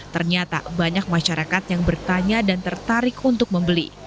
ternyata banyak masyarakat yang bertanya dan tertarik untuk membeli